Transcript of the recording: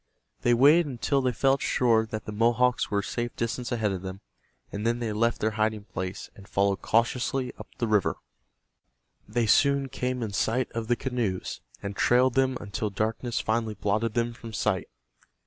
They waited until they felt sure that the Mohawks were a safe distance ahead of them, and then they left their hiding place, and followed cautiously up the river. They soon came in sight of the canoes, and trailed them until darkness finally blotted them from sight.